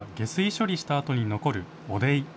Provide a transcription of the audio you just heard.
原料は下水処理したあとに残る汚泥。